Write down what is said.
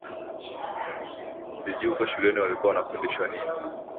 Sijui huko shuleni walikuwa wanafundishwa nini